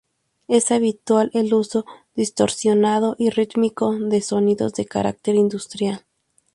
Es habitual el uso distorsionado y rítmico de sonidos de carácter industrial.